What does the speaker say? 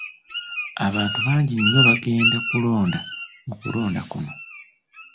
Abantu bangi nnyo bagenda kulonda mu kulonda kuno.